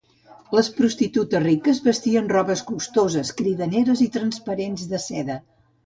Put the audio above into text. Les prostitutes riques vestien robes costoses, cridaneres i transparents de seda.